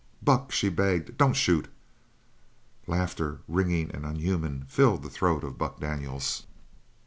"Buck!" she begged, "don't shoot!" Laughter, ringing and unhuman, filled the throat of Buck Daniels.